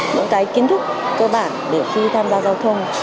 những cái kiến thức cơ bản để khi tham gia giao thông